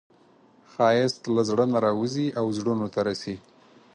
ښایست له زړه نه راوځي او زړونو ته رسي